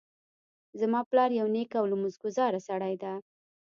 زما پلار یو نیک او لمونځ ګذاره سړی ده